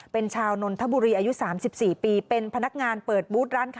เป็นชาวนนทบุรีอายุ๓๔ปีเป็นพนักงานเปิดบูธร้านค้า